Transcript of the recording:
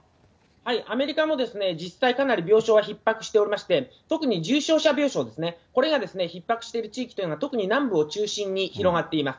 アメリカも実際、かなり病床はひっ迫しておりまして、特に重症者病床ですね、これがひっ迫している地域っていうのは、特に南部を中心に広がっています。